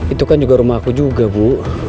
itu kan juga rumah aku juga bu